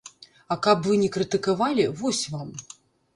А каб вы не крытыкавалі, вось вам!